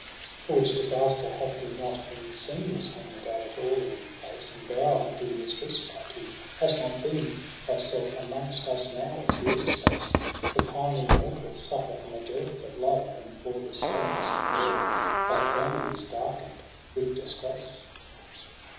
lO ' For which disaster hath he not been seen This many a day at all in any place : And thou, dear mistress,' piped he, ' hast not been Thyself amongst us now a dreary space : The pining mortals suffer from a dearth Of love J and for this sadness of the earth Thy family is darken'd with disgrace.